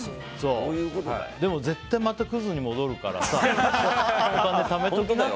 でも絶対またクズに戻るからさお金ためときなよ。